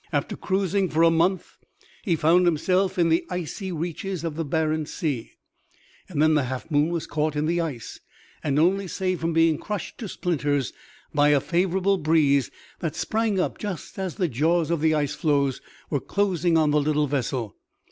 After cruising for a month he found himself in the icy reaches of Barents Sea, and then the Half Moon was caught in the ice and only saved from being crushed to splinters by a favorable breeze that sprang up just as the jaws of the ice floes were closing on the little vessel.